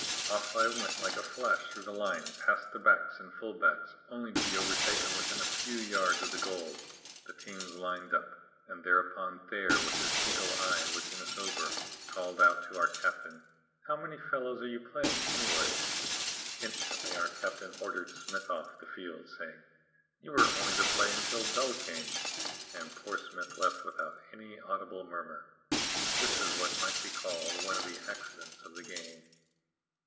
Off I went like a flash through the line, past the backs and fullbacks, only to be over taken within a few yards of the goal. The teams lined up, and thereupon Thayer, with his eagle eye looking us over, called out to our captain 'how many fellows are you playing anyway?' Instantly our captain ordered Smith off the field saying 'you were only to play until Bell came,' and poor Smith left without any audible murmur. This is what might be called one of the accidents of the game.